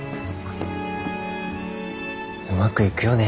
うまくいくよね